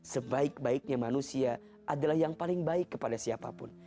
sebaik baiknya manusia adalah yang paling baik kepada siapapun